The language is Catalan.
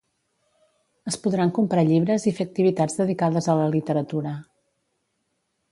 Es podran comprar llibres i fer activitats dedicades a la literatura.